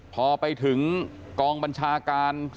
พอไปถึงกองบัญชาการ